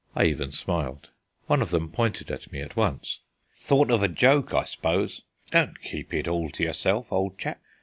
I even smiled. One of them pointed at me at once: "Thought of a joke, I s'pose. Don't keep it all to yourself, old chap."